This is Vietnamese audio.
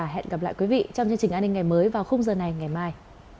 hẹn gặp lại quý vị trong chương trình an ninh ngày mới vào khung giờ này ngày mai